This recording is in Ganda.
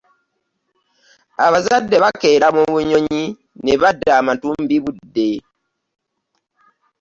Abazadde bakeera mu bunyonyi n'ebadda mumatumbi budde.